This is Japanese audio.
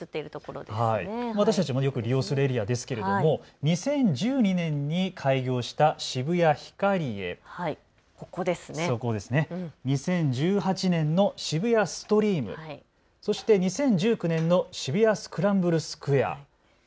私たちもよく利用するエリアですけれども２０１２年に開業した渋谷ヒカリエ、２０１８年の渋谷ストリーム、そして２０１９年の渋谷スクランブルスクエア。